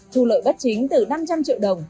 thu lợi bất chính từ năm trăm linh triệu đồng